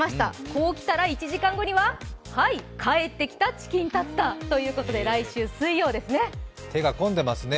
こう来たら、１時間後には、はい、「帰ってきたチキンタツタ」ということで、手が込んでますね。